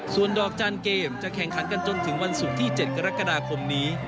ส่วนดอกจันทร์เกมจะแข่งขันกันจนถึงวันศุกร์ที่๗กรกฎาคมนี้